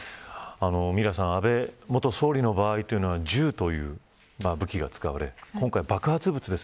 ミラさん、安倍元総理の場合というのは銃という武器が使われ今回、爆発物です。